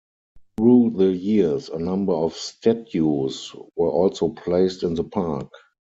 Through the years, a number of statues were also placed in the park.